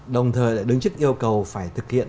đồng thời lại đứng trước yêu cầu phải thực hiện